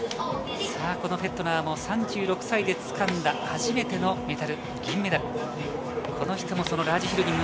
このフェットナーも３６歳で初めてのメダル、銀メダル。